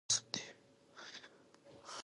تعلیم لرونکې میندې د ماشومانو د خواړو تنوع زیاتوي.